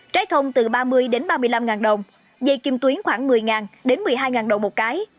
trái thông từ ba mươi đến ba mươi năm đồng dây kim tuyến khoảng một mươi đến một mươi hai đồng một cái